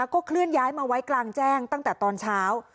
ก็เคลื่อนย้ายมาไว้กลางแจ้งตั้งแต่ตอนเช้า